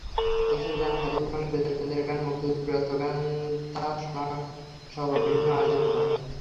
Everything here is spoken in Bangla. দেশের গান, স্বাধীন বাংলা বেতার কেন্দ্রের গান, মুক্তিযুদ্ধের বীরত্বগাথা শোনাসহ বিভিন্ন আয়োজন।